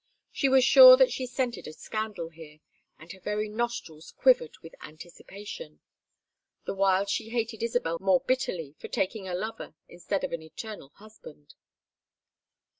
She was sure that she scented a scandal here, and her very nostrils quivered with anticipation; the while she hated Isabel more bitterly for taking a lover instead of an eternal husband.